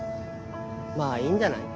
まあいいんじゃない？